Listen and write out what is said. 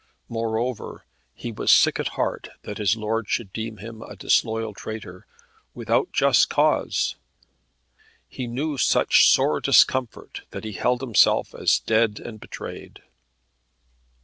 Moreover he was sick at heart that his lord should deem him a disloyal traitor, without just cause. He knew such sore discomfort that he held himself as dead and betrayed.